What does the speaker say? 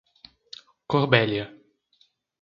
Corbélia